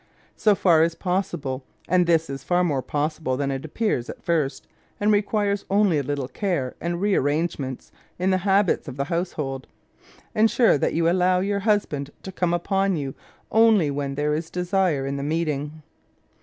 So tax as possible (and this is far more possible than appears at first, and requires only a little care and rearrange ment in the habits of the household) ensure that you allow your husband to come upon you only when .* i Modesty and Romance 7i there is delight in the meeting.